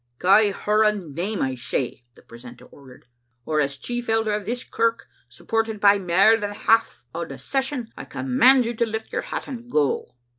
"Gie her a name, I say," the precentor ordered, "or, as chief elder of this kirk, supported by mair than half o' the Session, I command you to lift your hat and go.